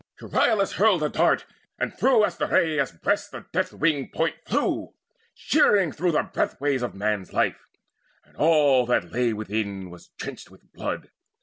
Euryalus hurled a dart, And through Astraeus' breast the death winged point Flew, shearing through the breathways of man's life; And all that lay within was drenched with blood.